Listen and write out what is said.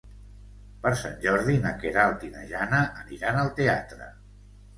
Per Sant Jordi na Queralt i na Jana aniran al teatre.